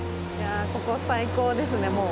ここ最高ですねもう。